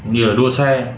như là đua xe